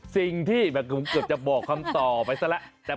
สิ่งที่แบบผมเกือบจะบอกคำตอบไปซะแหละ